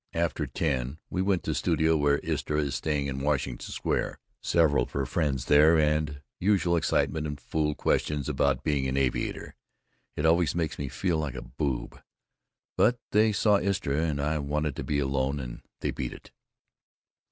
After ten we went to studio where Istra is staying on Washington Sq. several of her friends there and usual excitement and fool questions about being an aviator, it always makes me feel like a boob. But they saw Istra and I wanted to be alone and they beat it.